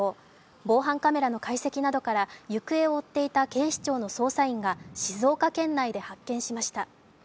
防犯カメラの解析などから行方を追っていた警視庁の捜査員が静岡県内で発見しました。